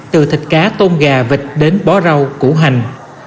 từ thịt cá tôm gà vịt đến bó rau củ hành